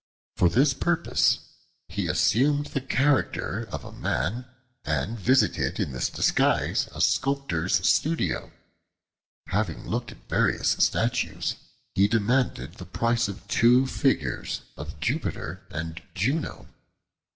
For this purpose he assumed the character of a man and visited in this disguise a Sculptor's studio having looked at various statues, he demanded the price of two figures of Jupiter and Juno.